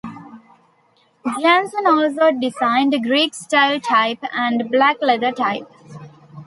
Jenson also designed Greek-style type and black-letter type.